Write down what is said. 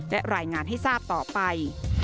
และรายงานให้ทราบต่อไป